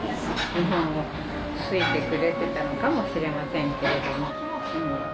日本を好いてくれてたのかもしれませんけれども。